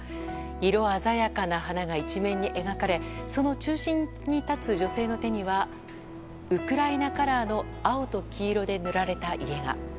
色鮮やかな花が一面に描かれその中心に立つ女性の手にはウクライナカラーの青と黄色で塗られた家が。